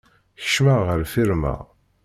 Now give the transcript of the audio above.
Keccmeɣ ɣer lfirma.